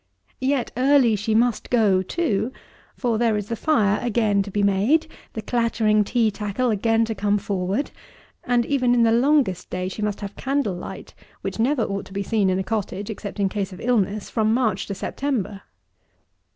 Yet early she must go, too: for, there is the fire again to be made, the clattering tea tackle again to come forward; and even in the longest day she must have candle light, which never ought to be seen in a cottage (except in case of illness) from March to September.